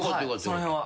その辺は。